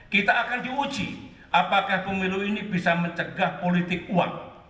kita akan diuji apakah pemilu ini bisa mencegah politik uang